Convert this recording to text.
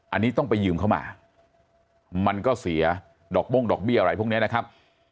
อันนี้ต้องไปยืมเข้ามามันก็เสียดอกบ้งดอกเบี้ยอะไรพวกนี้นะครับ